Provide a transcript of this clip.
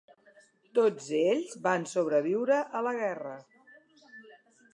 Tots ells van sobreviure a la guerra.